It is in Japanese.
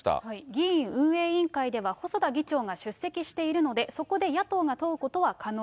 議院運営委員会では、細田議長が出席しているので、そこで野党が問うことは可能。